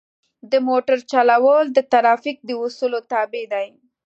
د موټر چلول د ترافیک د اصولو تابع دي.